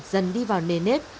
dần đi vào nền nếp